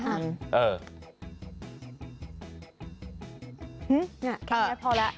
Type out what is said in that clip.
หืมแค่นี้พอแล้ว